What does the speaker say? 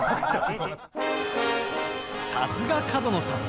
さすが角野さん。